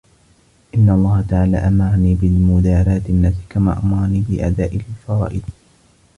إنَّ اللَّهَ تَعَالَى أَمَرَنِي بِمُدَارَاةِ النَّاسِ كَمَا أَمَرَنِي بِأَدَاءِ الْفَرَائِضِ